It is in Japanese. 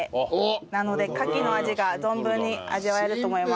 なのでカキの味が存分に味わえると思います。